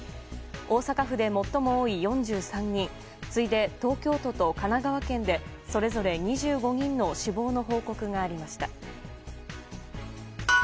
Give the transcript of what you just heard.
大阪府で最も多い４３人次いで東京都と神奈川県でそれぞれ２５人の死亡の報告がありました。